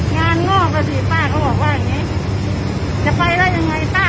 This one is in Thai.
งานงอกอ่ะสิป้าก็บอกว่าอย่างงี้จะไปได้ยังไงป้า